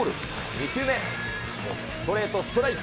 ２球目、ストレートストライク。